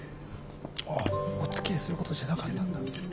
ああおつきあいするほどじゃなかったんだ。